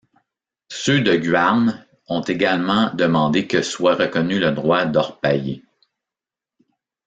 Ceux de Guarne ont également demandé que soit reconnu le droit d'orpailler.